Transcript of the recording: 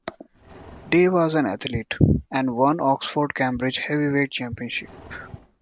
Day was an athlete, and won the Oxford-Cambridge Heavyweight Championship.